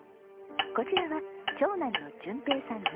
こちらは長男の順平さん２４歳。